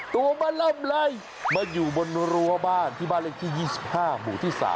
ตัวมันลำไหลมันอยู่บนรัวบ้านที่บ้านเล็กที่๒๕หมู่ที่๓